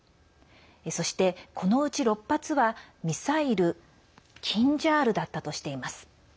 そして、このうち６発はミサイル「キンジャール」だったとしています。